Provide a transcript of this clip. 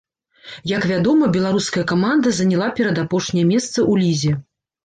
Як вядома, беларуская каманда заняла перадапошняе месца ў лізе.